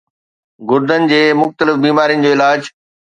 گردئن جي مختلف بيمارين جو علاج